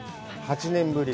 ８年ぶり。